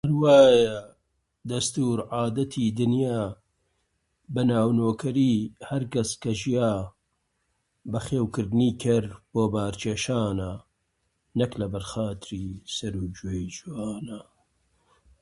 شەو لەبەر فانووس کتێبی خوێندبۆوە